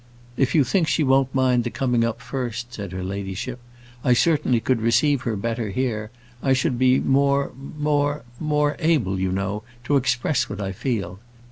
"If you think she won't mind the coming up first," said her ladyship. "I certainly could receive her better here. I should be more more more able, you know, to express what I feel.